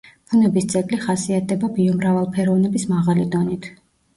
ბუნების ძეგლი ხასიათდება ბიომრავალფეროვნების მაღალი დონით.